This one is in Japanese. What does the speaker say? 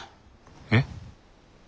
えっ？